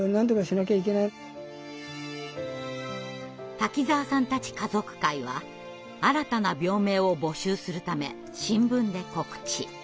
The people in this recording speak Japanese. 滝沢さんたち家族会は新たな病名を募集するため新聞で告知。